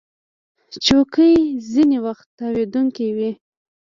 چوکۍ ځینې وخت تاوېدونکې وي.